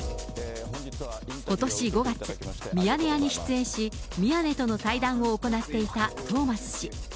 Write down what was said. ことし５月、ミヤネ屋に出演し、宮根との対談を行っていたトーマス氏。